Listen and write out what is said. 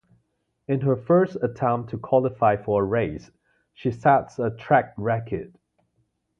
In her first attempt to qualify for a race, she sets a track record.